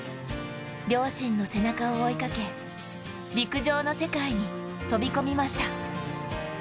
両親の背中を追いかけ、陸上の世界に飛び込みました。